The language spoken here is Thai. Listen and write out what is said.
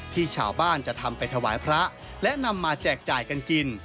ที่ชาวบ้านจะทำไปถวายพระและนำมาแจกจ่ายกันกิน